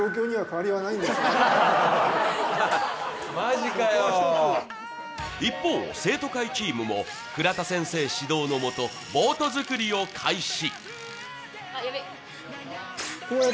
更に一方、生徒会チームも倉田先生指導のもとボート作りを開始。